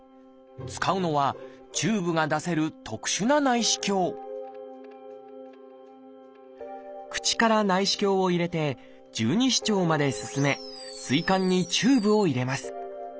使うのはチューブが出せる特殊な内視鏡口から内視鏡を入れて十二指腸まで進め膵管にチューブを入れます。